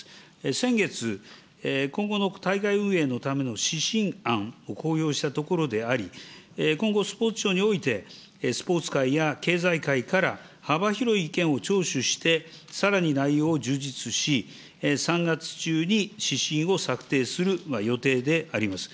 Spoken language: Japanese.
先月、今後の大会運営のための指針案を公表したところであり、今後スポーツ庁において、スポーツ界や経済界から幅広い意見を聴取して、さらに内容を充実し、３月中に指針を策定する予定であります。